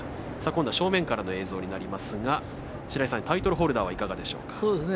今度は正面からの映像になりますが白井さん、タイトルホルダーはいかがでしょうか？